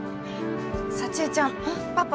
幸江ちゃんパパ